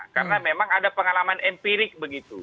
karena memang ada pengalaman empirik begitu